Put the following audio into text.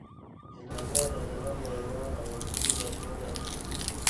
اعلامیه د عدالت نړیوال او ابدي مفهوم وړاندې کوي.